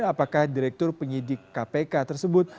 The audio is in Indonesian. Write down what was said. apakah direktur penyidik kpk tersebut